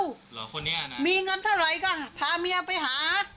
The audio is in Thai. เหรอคนนี้นะมีเงินเท่าไหร่ก็พาเมียไปหา